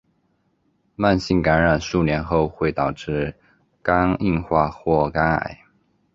慢性感染数年后会导致肝硬化或肝癌。